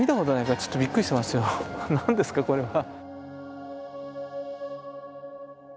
何ですかこれは。